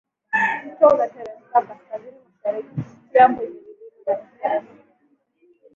Mto unateremka Kaskazini mashariki kupitia kwenye vilima na miteremko